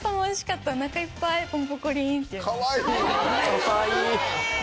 かわいい！